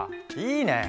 いいね！